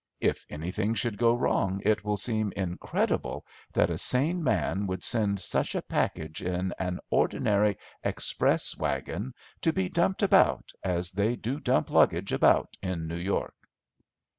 If anything should go wrong it will seem incredible that a sane man would send such a package in an ordinary express waggon to be dumped about, as they do dump luggage about in New York."